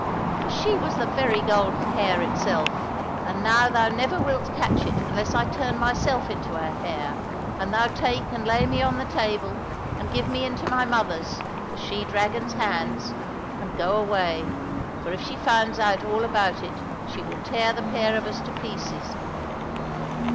for she was the very golden hare itself, and now thou never wilt catch it unless I turn myself into a hare and thou take and lay me on the table, and give me into my mother's, the she dragon's hands, and go away, for if she find out all about it she will tear the pair of us to pieces."